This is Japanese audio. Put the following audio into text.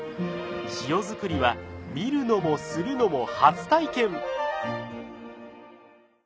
塩づくりは見るのもするのも初体験。